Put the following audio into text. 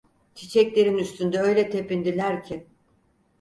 Çiçeklerin üstünde öyle tepindiler ki!